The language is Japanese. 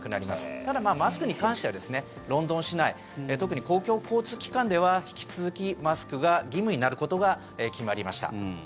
ただ、マスクに関してはロンドン市内特に公共交通機関では引き続きマスクが義務になることが決まりました。